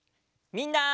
みんな。